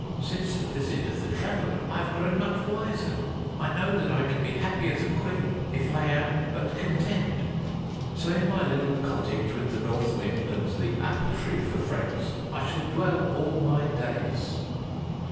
Since the visit of the Traveler, I have grown much wiser. I know that I can be happy as a queen if I am but content. So in my little cottage with the North Wind and the Apple Tree for friends, I shall dwell all my days."